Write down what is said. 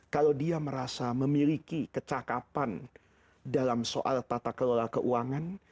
kalau dia merasa memiliki kecakapan dalam soal tata kelola keuangan